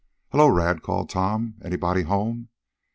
"Hello, Rad," called Tom. "Anybody home?"